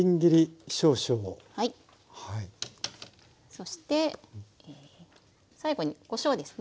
そして最後にこしょうですね。